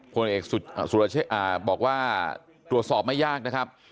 คนเนื้อเอกบอกว่าตรวจสอบไม่ยากนะครับ